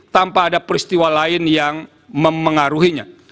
karena tidak ada peristiwa lain yang mempengaruhinya